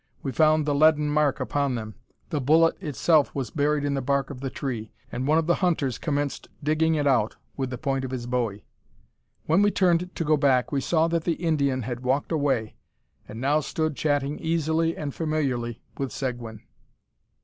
We found the leaden mark upon them. The bullet itself was buried in the bark of the tree, and one of the hunters commenced digging it out with the point of his bowie. When we turned to go back we saw that the Indian had walked away, and now stood chatting easily and familiarly with Seguin.